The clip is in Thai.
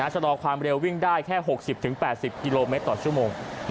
ชะลอความเร็ววิ่งได้แค่๖๐๘๐กิโลเมตรต่อชั่วโมง